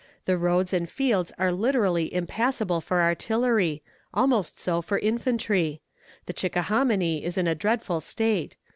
The roads and fields are literally impassable for artillery almost so for infantry. The Chickahominy is in a dreadful state.